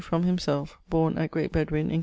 from himselfe borne at Great Bedwyn in com.